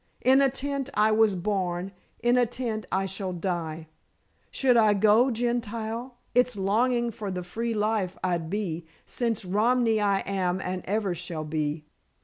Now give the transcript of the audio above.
In a tent I was born; in a tent I shall die. Should I go, Gentile, it's longing for the free life I'd be, since Romany I am and ever shall be.